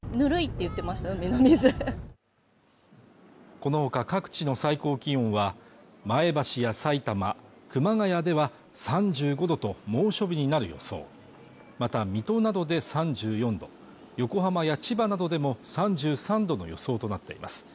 このほか各地の最高気温は前橋やさいたま、熊谷では３５度と猛暑日になる予想また水戸などで３４度横浜や千葉などでも３３度の予想となっています